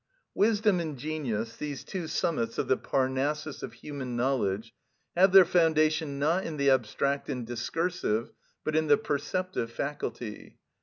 Wisdom and genius, these two summits of the Parnassus of human knowledge, have their foundation not in the abstract and discursive, but in the perceptive faculty.